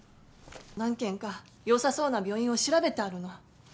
何軒かよさそうな病院を調べてあるの。